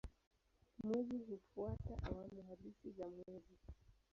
Mwezi hufuata awamu halisi za mwezi.